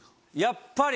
やっぱり。